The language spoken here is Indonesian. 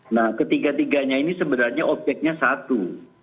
nah ketiga tiganya ini sebenarnya objeknya satu